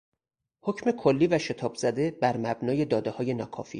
حکم کلی و شتابزده بر مبنای دادههای ناکافی